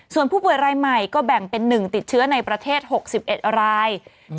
ส่วนผู้ป่วยรายใหม่ก็แบ่งเป็น๑ติดเชื้อในประเทศ๖๑ราย